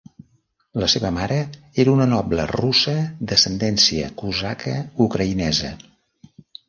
La seva mare era una noble russa d'ascendència cosaca ucraïnesa.